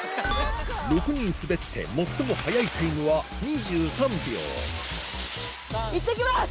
６人滑って最も速いタイムは２３秒いってきます！